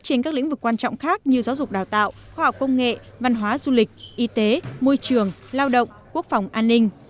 trên các lĩnh vực quan trọng khác như giáo dục đào tạo khoa học công nghệ văn hóa du lịch y tế môi trường lao động quốc phòng an ninh